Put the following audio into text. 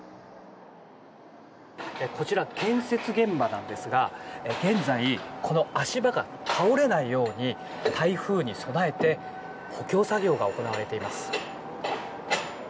こちら建設現場なんですが現在、この足場が倒れないように台風に備えて補強作業が行われています。